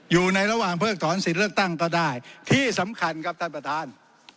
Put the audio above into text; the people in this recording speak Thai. อยู่ในระหว่างเพิกถอนสิทธิ์เลือกตั้งก็ได้ที่สำคัญครับท่านประธาน